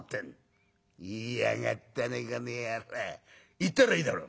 行ったらいいだろう」。